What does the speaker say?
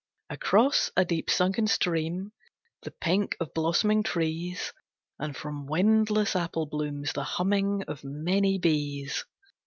Across a deep sunken stream The pink of blossoming trees, And from windless appleblooms The humming of many bees.